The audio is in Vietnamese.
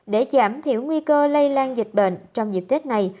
để giảm thiểu nguy cơ lây lan dịch bệnh trong dịp tết này